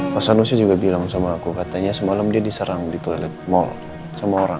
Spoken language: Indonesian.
mas sanusi juga bilang sama aku katanya semalam dia diserang di toilet mall sama orang